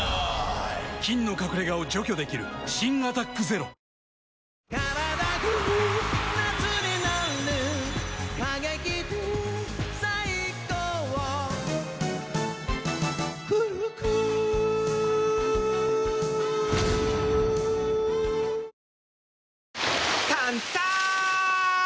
菌の隠れ家を除去できる新「アタックＺＥＲＯ」タンターン！